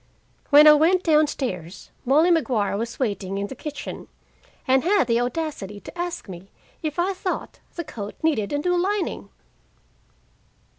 When I went down stairs, Molly Maguire was waiting in the kitchen, and had the audacity to ask me if I thought the coat needed a new lining!